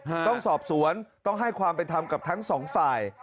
ต้องสอบสวนต้องให้ความเป็นธรรมกับทั้งสองฝ่าย